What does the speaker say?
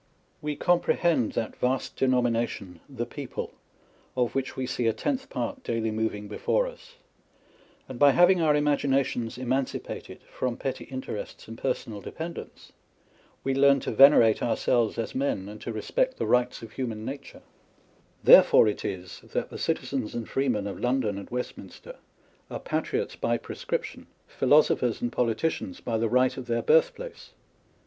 We comprehend that vast denomination, the People, of which we see a tenth part daily moving before us ; and by having our imaginations emancipated from petty interests and personal dependence, we learn to venerate ourselves as men, and to respect the rights of human nature Therefore it is that the citizens and free men of London and Westminster are patriots by prescrip tion, philosophers and politicians by the right of their birthplace.